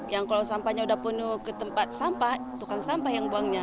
yang kalau sampahnya udah penuh ke tempat sampah tukang sampah yang buangnya